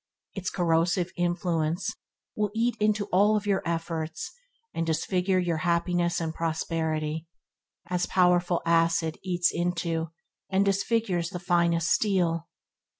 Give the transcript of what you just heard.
Its corrosive influence will eat into all your efforts, and disfigure your happiness and prosperity, as powerful acid eats into and disfigures the finest steel.